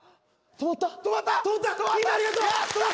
止まった！